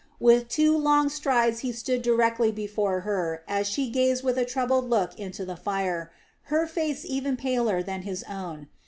With two long strides he stood directly before her as she gazed with a troubled look into the fire, her face even paler than his own.